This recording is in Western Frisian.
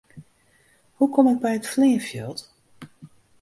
Hoe kom ik by it fleanfjild?